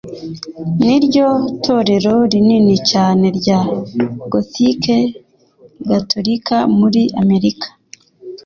Niryo torero rinini cyane rya Gothique-gatolika muri Amerika